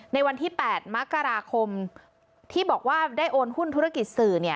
ในวันที่๘มกราคมที่บอกว่าได้โอนหุ้นธุรกิจสื่อ